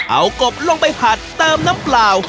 เอากบลงไปผัดเติมน้ำเปล่า